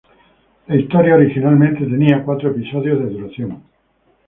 La historia originalmente tenía cuatro episodios de duración.